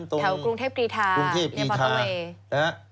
แถวกรุงเทพกีทาในพอต้นเว